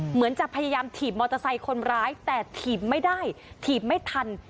เหมือนจะพยายามถีบมอเตอร์ไซค์คนร้ายแต่ถีบไม่ได้ถีบไม่ทัน